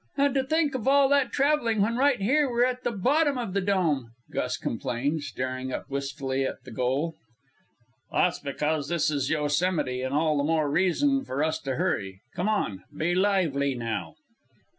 "And to think of all that traveling, when right here we're at the bottom of the Dome!" Gus complained, staring up wistfully at the goal. "That's because this is Yosemite, and all the more reason for us to hurry. Come on! Be lively, now!"